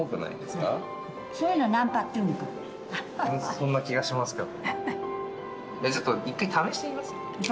そんな気がしますけど。